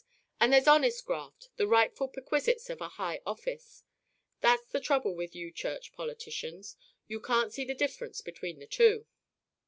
And there's honest graft the rightful perquisites of a high office. That's the trouble with you church politicians. You can't see the difference between the two."